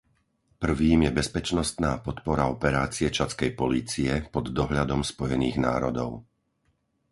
Prvým je bezpečnostná podpora operácie čadskej polície, pod dohľadom Spojených národov.